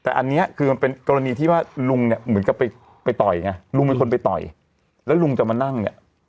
แต่อันนี้คือมันเป็นกรณีที่ว่าลุงเนี่ยเหมือนกับไปต่อยไงลุงเป็นคนไปต่อยแล้วลุงจะมานั่งเนี่ย